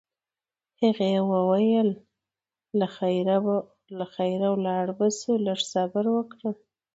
هغې وویل: له خیره ولاړ به شو، لږ صبر وکړه.